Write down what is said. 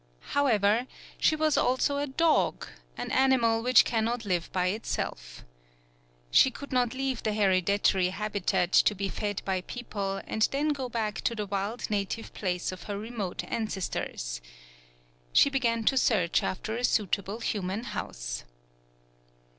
However, she was also a dog, an ani mal which cannot live by itself. She 117 PAULOWNIA could not leave the hereditary habitat to be fed by people and then go back to the wild native place of her remote an cestors. She began to search after a suitable human house.